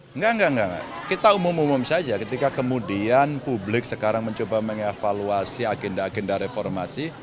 enggak enggak enggak kita umum umum saja ketika kemudian publik sekarang mencoba mengevaluasi agenda agenda reformasi